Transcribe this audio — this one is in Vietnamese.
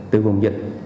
từ vùng dịch